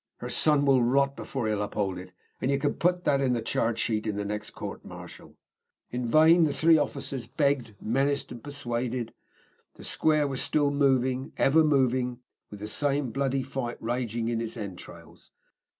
Her son will rot before he upholds it, and ye can put that in the charge sheet in the next coort martial." In vain the three officers begged, menaced, persuaded. The square was still moving, ever moving, with the same bloody fight raging in its entrails.